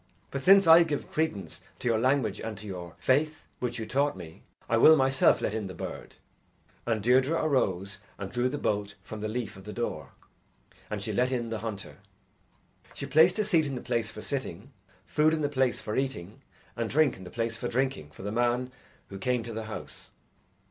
But since I give credence to your language and to your faith, which you taught me, I will myself let in the bird." And Deirdre arose and drew the bolt from the leaf of the door, and she let in the hunter. She placed a seat in the place for sitting, food in the place for eating, and drink in the place for drinking for the man who came to the house.